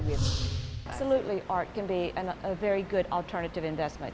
pasti seni bisa menjadi pelaburan alternatif yang bagus